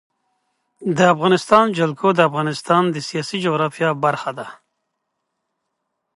د افغانستان جلکو د افغانستان د سیاسي جغرافیه برخه ده.